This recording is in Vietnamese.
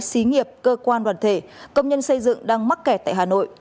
xí nghiệp cơ quan đoàn thể công nhân xây dựng đang mắc kẹt tại hà nội